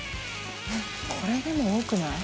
┐これでも多くない？